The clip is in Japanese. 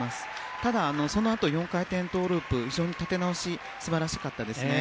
ただ、そのあと４回転トウループでは非常に立て直し素晴らしかったですね。